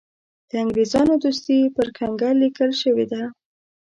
د انګرېزانو دوستي پر کنګل لیکل شوې ده.